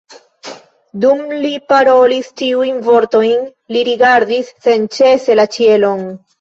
Dum li parolis tiujn vortojn, li rigardis senĉese la ĉielon.